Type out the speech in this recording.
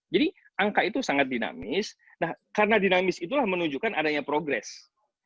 jadi angka itu sangat dinamis nah karena dinamis itulah menunjukkan adanya progress